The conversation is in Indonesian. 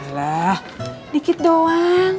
alah dikit doang